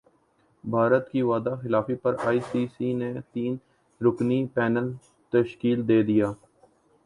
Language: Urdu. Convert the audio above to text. بھارت کی وعدہ خلافی پر ائی سی سی نے تین رکنی پینل تشکیل دیدیا